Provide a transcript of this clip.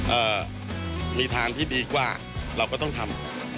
เอ่อมีทางที่ดีกว่าเราก็ต้องทำ